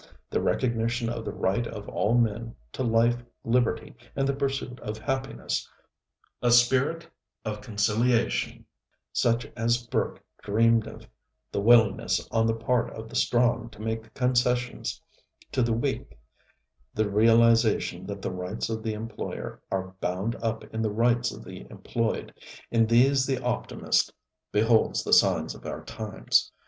The recognition of the right of all men to life, liberty and the pursuit of happiness, a spirit of conciliation such as Burke dreamed of, the willingness on the part of the strong to make concessions to the weak, the realization that the rights of the employer are bound up in the rights of the employed in these the optimist beholds the signs of our times.